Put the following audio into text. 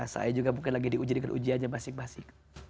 saya juga mungkin lagi diuji dengan ujiannya masing masing